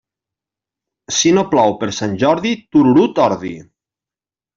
Si no plou per Sant Jordi, tururut ordi.